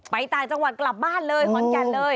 ต่างจังหวัดกลับบ้านเลยขอนแก่นเลย